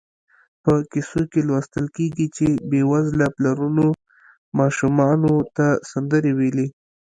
په کیسو کې لوستل کېږي چې بېوزله پلرونو ماشومانو ته سندرې ویلې.